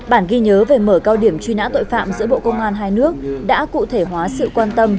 bản ghi nhớ về mở cao điểm truy nã tội phạm giữa bộ công an hai nước đã cụ thể hóa sự quan tâm